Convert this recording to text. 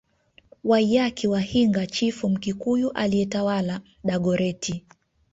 Waiyaki wa Hinga chifu Mkikuyu aliyetawala Dagoretti